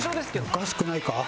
おかしくないか？